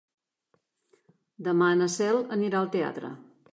Demà na Cel anirà al teatre.